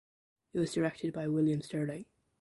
It was directed by William Sterling.